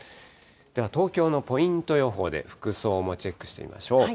では、東京のポイント予報で服装もチェックしてみましょう。